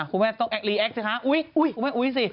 คุณแม่ต้องแอครีแอคสิคะอุ้ยอุ้ย